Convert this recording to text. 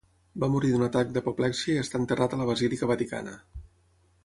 Va morir d'un atac d'apoplexia i està enterrat a la Basílica Vaticana.